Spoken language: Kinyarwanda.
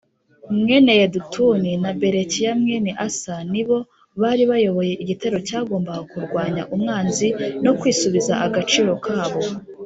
Mwene Yedutuni na Berekiya mwene Asa nibo bari bayoboye igitero cyagombaga kurwanya umwanzi no kwisubiza agaciro kabo.